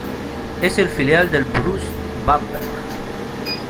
Es el filial del Brose Bamberg.